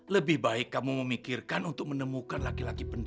lebih baik kamu memikirkan untuk menemukan laki laki benda